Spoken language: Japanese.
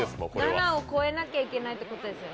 ７を超えなきゃいけないということですよね。